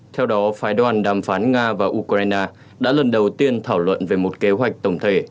theo đó phái đoàn đàm phán nga và ukraine đã lần đầu tiên thảo luận về một kế hoạch tổng thể